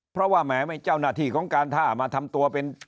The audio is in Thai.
เพราะว่าแหมเจ้าหน้าที่ของการท่ามาทำตัวเป็น